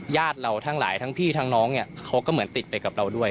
ญาติเราทั้งหลายทั้งพี่ทั้งน้องเนี่ยเขาก็เหมือนติดไปกับเราด้วย